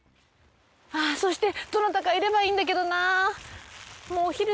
そしてどなたかいればいいんだけどなぁ。